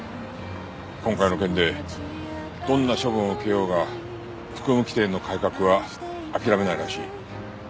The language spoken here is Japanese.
今回の件でどんな処分を受けようが服務規程の改革は諦めないらしい。